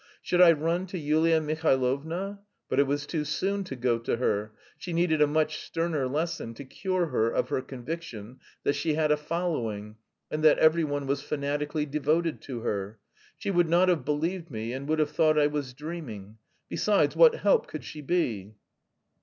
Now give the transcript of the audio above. Should I run to Yulia Mihailovna? But it was too soon to go to her: she needed a much sterner lesson to cure her of her conviction that she had "a following," and that every one was "fanatically devoted" to her. She would not have believed me, and would have thought I was dreaming. Besides, what help could she be?